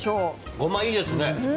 ごま、いいですね。